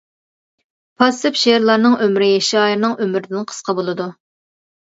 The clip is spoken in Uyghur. پاسسىپ شېئىرلارنىڭ ئۆمرى شائىرنىڭ ئۆمرىدىن قىسقا بولىدۇ.